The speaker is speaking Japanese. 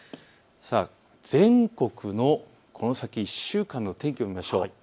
全国のこの先１週間の天気を見ましょう。